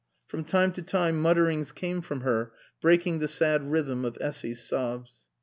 From time to time mutterings came from her, breaking the sad rhythm of Essy's sobs.